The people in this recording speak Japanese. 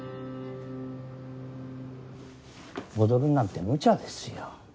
踊るなんてむちゃですよ